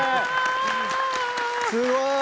すごい！